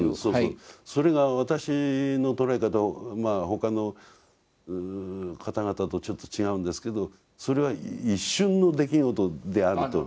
それが私の捉え方は他の方々とちょっと違うんですけどそれは一瞬の出来事であると。